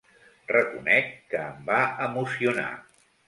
Reconec que em va emocionar.